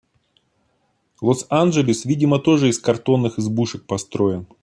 Лос-Анджелес видимо тоже из картонных избушек построен